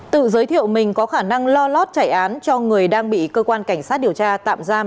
tự giới thiệu mình có khả năng lo lót chạy án cho người đang bị cơ quan cảnh sát điều tra tạm giam